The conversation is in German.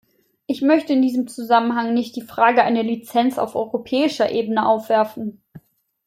Ich möchte in diesem Zusammenhang nicht die Frage einer Lizenz auf europäischer Ebene aufwerfen.